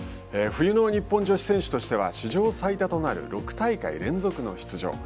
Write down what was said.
冬の日本女子選手としては史上最多となる６大会連続の出場